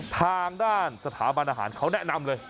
ทางด้านสถาบันอาหารเขาแนะนำเลย